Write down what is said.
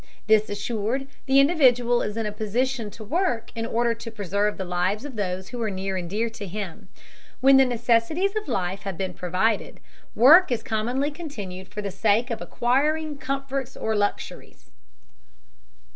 This assured, the individual is in a position to work in order to preserve the lives of those who are near and dear to him. When the necessities of life have been provided, work is commonly continued for the sake of acquiring comforts or luxuries.